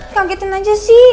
kagetin saja sih